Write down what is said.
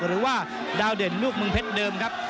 หรือว่าดาวเด่นลูกเมืองเพชรเดิมครับ